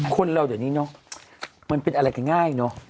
คนเราเดี๋ยวนี้เนอะมันเป็นอะไรกันง่ายเนอะ